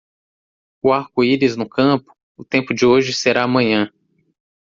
O arco-íris no campo, o tempo de hoje será amanhã.